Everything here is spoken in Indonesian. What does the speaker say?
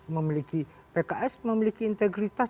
memiliki pks memiliki integritas